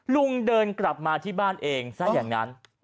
ลุงเดินกลับมาที่บ้านเองซะอย่างนั้น